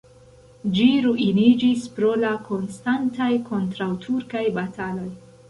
Ĝi ruiniĝis pro la konstantaj kontraŭturkaj bataloj.